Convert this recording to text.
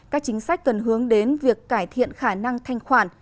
các chính sách cần hướng đến việc cải thiện khả năng thanh khoản